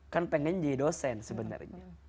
kan pengen jadi dosen sebenarnya